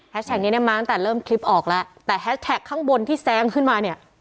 นี้เนี่ยมาตั้งแต่เริ่มคลิปออกแล้วแต่แฮชแท็กข้างบนที่แซงขึ้นมาเนี่ย